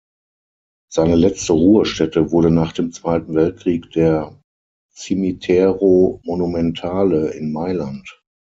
Seine letzte Ruhestätte wurde nach dem Zweiten Weltkrieg der "Cimitero Monumentale" in Mailand.